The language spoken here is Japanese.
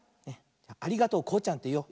「ありがとうこうちゃん」っていおう。